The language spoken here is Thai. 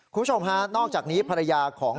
คุณผู้ชมฮะนอกจากนี้ภรรยาของ